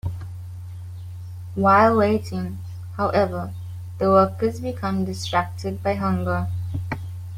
While waiting, however, the workers become distracted by hunger.